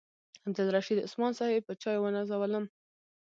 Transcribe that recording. عبدالرشید عثمان صاحب په چایو ونازولم.